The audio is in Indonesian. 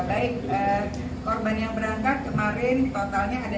baik korban yang berangkat kemarin totalnya ada satu ratus lima puluh tujuh